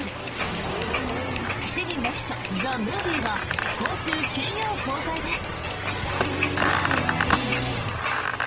「七人の秘書ＴＨＥＭＯＶＩＥ」は今週金曜、公開です。